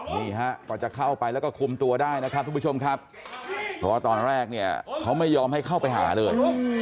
นี่ฮะกว่าจะเข้าไปแล้วก็คุมตัวได้นะครับทุกผู้ชมครับเพราะว่าตอนแรกเนี่ยเขาไม่ยอมให้เข้าไปหาเลย